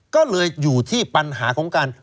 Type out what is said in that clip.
ก็เลยอยู่ที่ปัญหาของการ